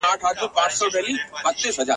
زه لکه سیوری !.